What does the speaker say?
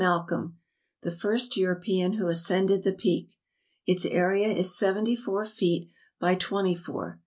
Malcolm (the first European who ascended the Peak) its area is seventy four feet by twenty four.